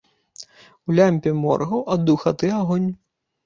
У лямпе моргаў ад духаты агонь.